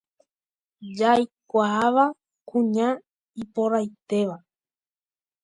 Jaikuaava kuña iporãitéva.